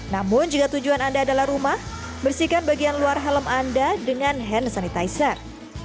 namun jika tujuan anda adalah rumah bersihkan bagian luar helm anda dengan hand sanitizer